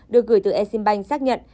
được gửi từ exim bank xác nhận